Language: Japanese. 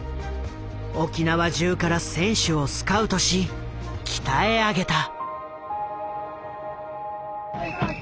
沖縄中から選手をスカウトし鍛え上げた。